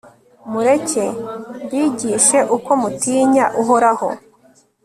mureke mbigishe uko mutinya uhoraho